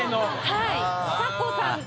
はい。